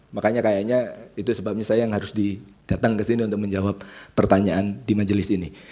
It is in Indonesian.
makanya kayaknya itu sebabnya saya yang harus didatang kesini untuk menjawab pertanyaan di majelis ini